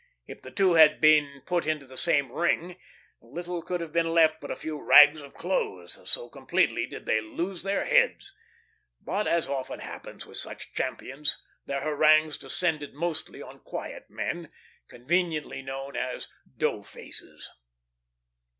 If the two had been put into the same ring, little could have been left but a few rags of clothes, so completely did they lose their heads; but, as often happens with such champions, their harangues descended mostly on quiet men, conveniently known as doughfaces.